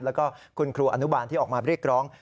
แล้วก็คุณครูอนุบาลที่ออกมาเรียกร้อง